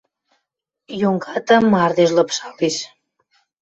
Йонгата мардеж лыпшалеш.